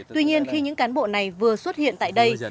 tuy nhiên khi những cán bộ này vừa xuất hiện tại đây